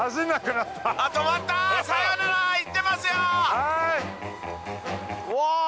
はい！